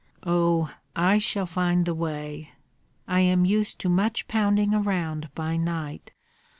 "Oh, I shall find the way. I am used to much pounding around by night.